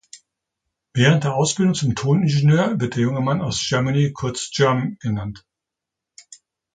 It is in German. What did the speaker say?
Während der Ausbildung zum Toningenieur wird der junge Mann aus Germany kurz „Germ“ genannt.